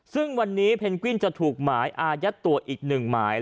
ซึ่งวันนี้เพนกวินจะถูกหมายอายัดตัวอีกหนึ่งหมาย